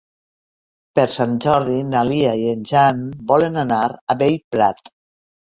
Per Sant Jordi na Lia i en Jan volen anar a Bellprat.